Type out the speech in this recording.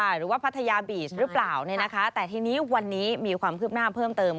หรือว่าพัทยาบีชหรือเปล่าเนี่ยนะคะแต่ทีนี้วันนี้มีความคืบหน้าเพิ่มเติม